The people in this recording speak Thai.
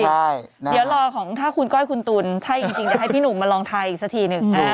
เดี๋ยวรอของคุณก๊อยคุณตุ๋นได้จริงจะให้พี่หนุ่มมาลองทายอีกสักทีนึง